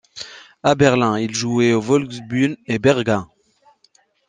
À Berlin, ils jouaient au Volksbühne et Berghain.